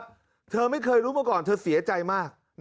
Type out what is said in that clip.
เพราะเขาไม่เคยรู้มาก่อนว่าเธอเสียใจมาก